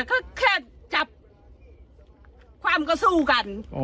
ก็แค่จับความก็สู้กัน